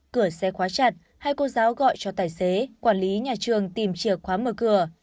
cửa xe khóa chặt hay cô giáo gọi cho tài xế quản lý nhà trường tìm chìa khóa mở cửa